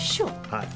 はい。